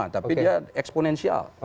tapi dia eksponensial